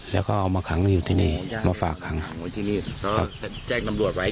แล้วก็เอามาอยู่ที่นี่มาฝากคำ